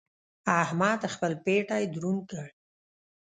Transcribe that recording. احمد خپل پېټی دروند کړ.